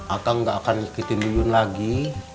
akang gak akan ketimbun lagi